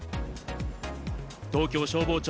東京消防庁